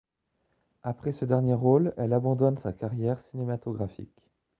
Après ce dernier rôle, elle abandonne sa carrière cinématographique.